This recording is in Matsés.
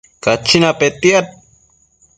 Cachina petiad